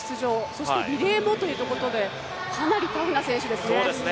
そして、リレーもということでかなり、タフな選手ですね。